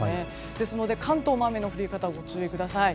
ですので関東も雨の降り方ご注意ください。